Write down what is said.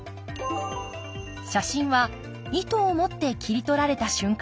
写真は意図を持って切り取られた瞬間です。